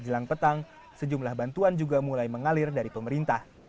jelang petang sejumlah bantuan juga mulai mengalir dari pemerintah